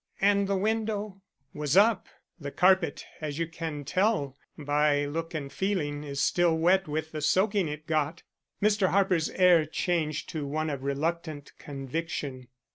"And the window?" "Was up. The carpet, as you can tell by look and feeling, is still wet with the soaking it got." Mr. Harper's air changed to one of reluctant conviction.